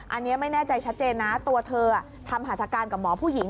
อันนี้ไม่แน่ใจชัดเจนนะตัวเธอทำหัตถการกับหมอผู้หญิง